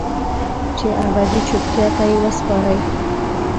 چې ابدي چوپتیا ته یې وسپارئ